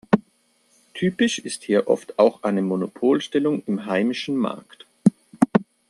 Typisch ist hier oft auch eine Monopolstellung im heimischen Markt.